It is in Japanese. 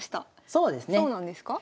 そうなんですか？